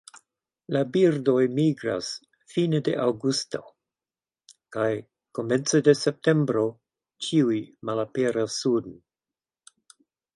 La birdoj migras fine de aŭgusto kaj komence de septembro ĉiuj malaperas suden.